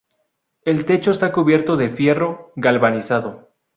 El techo está cubierto de fierro galvanizado.